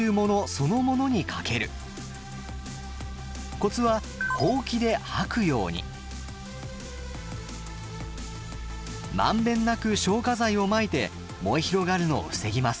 コツはまんべんなく消火剤をまいて燃え広がるのを防ぎます。